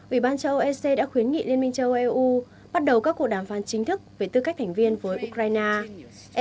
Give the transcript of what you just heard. ủy ban châu âu ec đã khuyến nghị liên minh châu âu eu bắt đầu các cuộc đàm phán chính thức về tư cách thành viên với ukraine